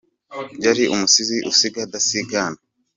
Yari umusizi usiga adasigana